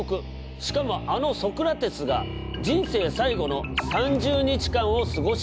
しかもあのソクラテスが人生最期の３０日間を過ごした場所。